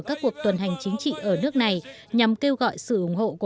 các cuộc tuần hành chính trị ở nước này nhằm kêu gọi sự ủng hộ của